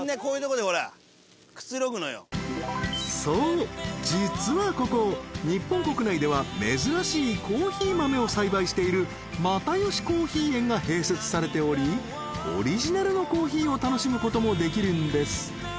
［そう実はここ日本国内では珍しいコーヒー豆を栽培している又吉コーヒー園が併設されておりオリジナルのコーヒーを楽しむこともできるんです］